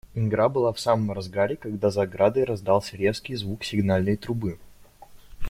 Игра была в самом разгаре, когда за оградой раздался резкий звук сигнальной трубы.